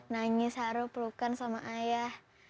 nangis haru pelukan sama ayah